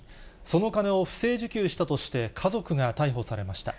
その金を不正受給したとして、家族が逮捕されました。